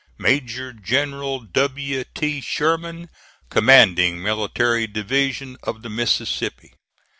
MAJOR GENERAL W. T. SHERMAN, Commanding Mill Div. of the Mississippi.